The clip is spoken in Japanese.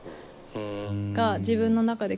自分の中で。